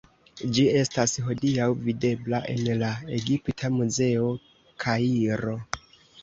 Ĝi estas hodiaŭ videbla en la Egipta Muzeo, Kairo.